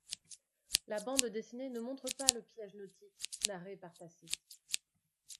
La bande dessinée ne montre pas le piège nautique narré par Tacite.